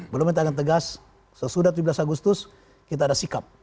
belum kita akan tegas sesudah tujuh belas agustus kita ada sikap